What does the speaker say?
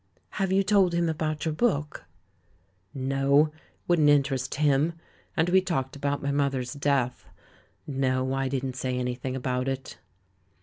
"Have you told him about your book?'* "No, it wouldn't interest him — and we talked about my mother's death. No, I didn't say any thing about it."